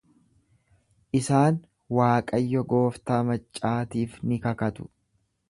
Isaan Waaqayyo gooftaa maccaatiif ni kakatu.